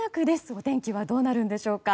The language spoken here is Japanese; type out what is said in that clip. お天気はどうなるのでしょうか。